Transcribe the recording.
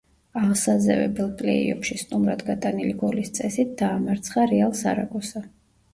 აღსაზევებელ პლეი-ოფში სტუმრად გატანილი გოლის წესით დაამარცხა „რეალ სარაგოსა“.